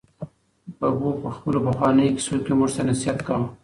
ببو په خپلو پخوانیو کیسو کې موږ ته نصیحت کاوه.